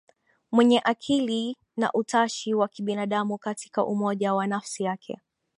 mwenye akili na utashi wa kibinadamu Katika umoja wa nafsi yake